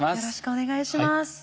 よろしくお願いします。